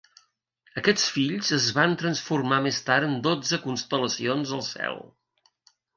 Aquests fills es van transformar més tard en dotze constel·lacions al cel.